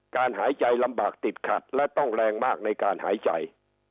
หายใจลำบากติดขัดและต้องแรงมากในการหายใจ